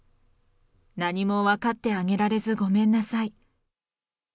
何も分かってあげられずごめんなさい。